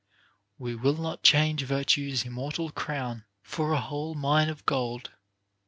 We will not change Virtue's immortal crown For a whole mine of gold.